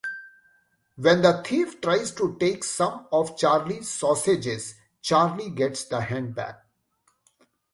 When the thief tries to take some of Charlie's sausages, Charlie gets the handbag.